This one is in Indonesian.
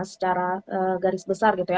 secara garis besar gitu ya